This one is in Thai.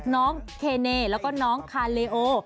น้องเคเนแล้วก็น้องคาเลโอ